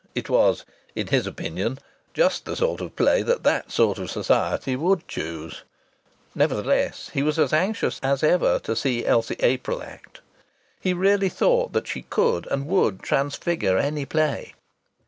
It was (in his opinion) just the sort of play that that sort of society would choose! Nevertheless he was as anxious as ever to see Elsie April act. He really thought that she could and would transfigure any play.